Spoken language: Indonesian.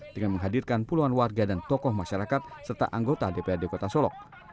dengan menghadirkan puluhan warga dan tokoh masyarakat serta anggota dprd kota solok